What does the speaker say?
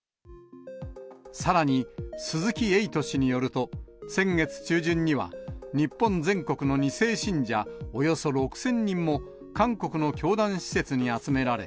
さらに、鈴木エイト氏によると、先月中旬には日本全国の２世信者およそ６０００人も、韓国の教団